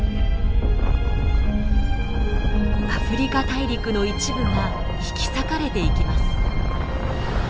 アフリカ大陸の一部が引き裂かれていきます。